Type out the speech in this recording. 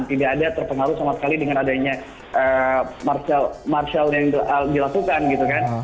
tidak ada terpengaruh sama sekali dengan adanya martial yang dilakukan gitu kan